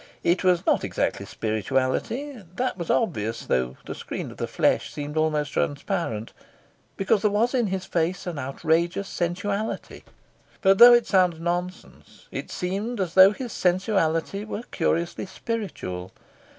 It was not exactly spirituality that was obvious, though the screen of the flesh seemed almost transparent, because there was in his face an outrageous sensuality; but, though it sounds nonsense, it seemed as though his sensuality were curiously spiritual.